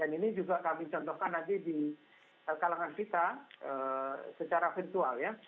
dan ini juga kami contohkan nanti di kalangan kita secara virtual ya